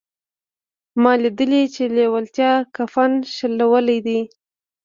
ما لیدلي چې لېوالتیا کفن شلولی دی